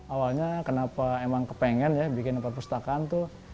awalnya kenapa emang kepengen ya bikin perpustakaan tuh